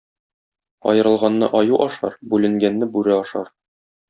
Аерылганны аю ашар, бүленгәнне бүре ашар.